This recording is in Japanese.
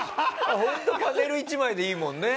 ホントパネル１枚でいいもんね。